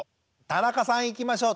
田中さんいきましょう。